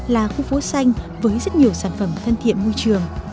là khu phố xanh với rất nhiều sản phẩm thân thiện môi trường